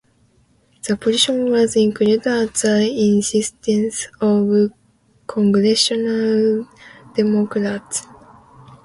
The position was included at the insistence of Congressional Democrats.